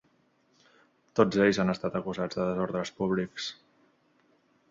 Tots elles han estat acusats de desordres públics.